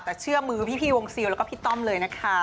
แต่เชื่อมือพี่วงซิลแล้วก็พี่ต้อมเลยนะคะ